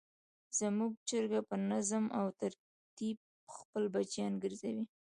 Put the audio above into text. زموږ چرګه په نظم او ترتیب خپل بچیان ګرځوي.